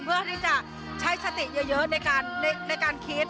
เพื่อที่จะใช้สติเยอะในการคิด